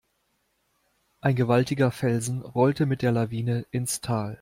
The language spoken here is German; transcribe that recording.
Ein gewaltiger Felsen rollte mit der Lawine ins Tal.